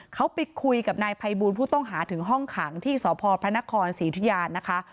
เขาไปคุยกับนายภัยบูลผู้ต้องหาถึงห้องขังที่สพพระนครศรีธุยานะคะ